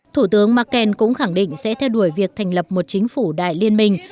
thủ tướng merkel cũng khẳng định sẽ theo đuổi việc thành lập một chính phủ đại liên minh